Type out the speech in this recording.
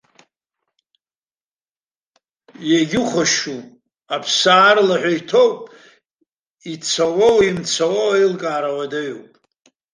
Егьи хәашьуп, аԥсы аарлаҳәа иҭоуп, ицауоу имцауоу аилкаара уадаҩуп.